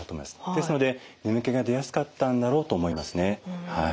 ですので眠気が出やすかったんだろうと思いますねはい。